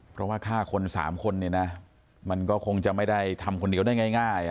เพราะว่าฆ่าคน๓คนเนี่ยนะมันก็คงจะไม่ได้ทำคนเดียวได้ง่าย